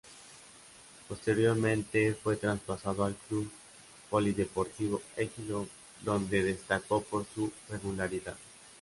Posteriormente, fue traspasado al Club Polideportivo Ejido, donde destacó por su regularidad.